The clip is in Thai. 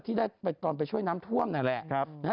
ที่ได้ไปตอนไปช่วยน้ำท่วมนั่นแหละ